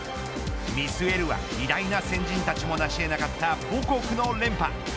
見据えるは偉大な先人たちもなし得なかった母国の連覇。